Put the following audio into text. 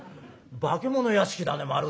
化け物屋敷だねまるで」。